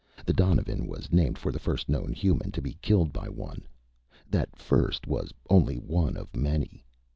The donovan was named for the first known human to be killed by one. That first was only one of many.